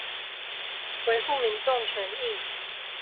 維護民眾權益